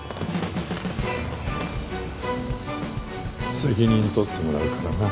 責任取ってもらうからな。